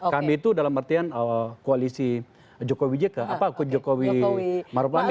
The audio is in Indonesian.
kami itu dalam artian koalisi jokowi jk apa aku jokowi maruf amin